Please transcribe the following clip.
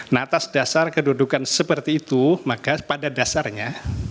nah atas dasar kedudukan seperti itu maka pada dasarnya